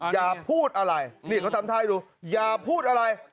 อย่าพูดอะไรนี่เขาทำท่าให้ดูอย่าพูดอะไร